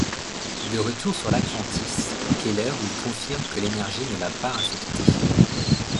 De retour sur Atlantis Keller lui confirme que l'énergie ne l'a pas infecté.